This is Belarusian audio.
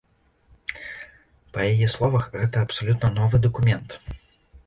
Па яе словах, гэта абсалютна новы дакумент.